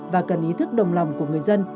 và cần ý thức đồng lòng của người dân